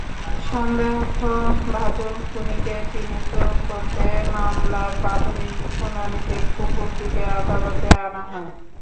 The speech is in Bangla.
সন্দেহভাজন খুনিকে চিহ্নিত করতে মামলার প্রাথমিক শুনানিতে কুকুরটিকে আদালতে আনা হয়।